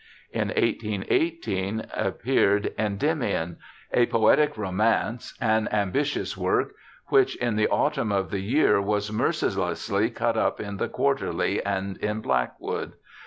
In 1818 appeared Endymion, a poetic romance, an ambitious work, which, in the autumn of the year, was mercilessly ' cut up ' in the Quarterly and in Blackwood.